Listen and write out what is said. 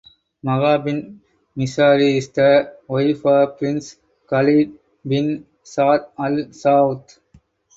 Maha bint Mishari is the wife of Prince Khaled bin Saad Al Saud.